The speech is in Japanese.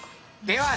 では。